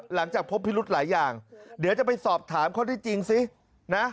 หลังจากพบพิรุธหลายอย่างเดี๋ยวจะไปสอบถามข้อที่จริงซินะ